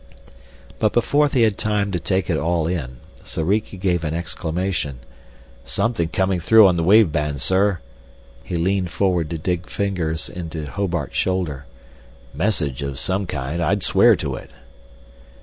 But before they had time to take it all in Soriki gave an exclamation. "Something coming through on our wave band, sir!" He leaned forward to dig fingers into Hobart's shoulder. "Message of some kind I'd swear to it!"